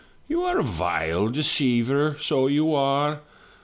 You are a vile deceiver — so you are.